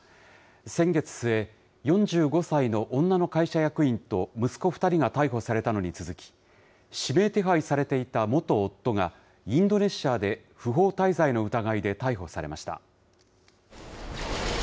先月末、４５歳の女の会社役員と息子２人が逮捕されたのに続き、指名手配されていた元夫が、インドネシアで不法滞在の疑いで逮捕されました。